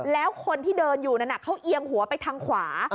แล้วคนที่เดินอยู่นั้นเขาเอียงหัวไปทางขวา